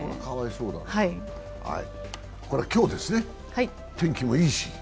これは今日ですね、天気もいいし。